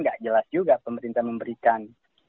nggak jelas juga pemerintah memberikan